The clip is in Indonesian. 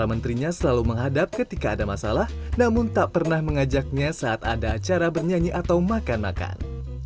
para menterinya selalu menghadap ketika ada masalah namun tak pernah mengajaknya saat ada acara bernyanyi atau makan makan